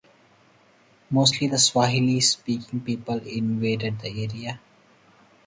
Mostly, the Swahili speaking peoples invaded the area.